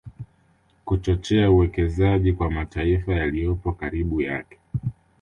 Kuchochea uwekezaji kwa mataifa yaliyopo karibu yake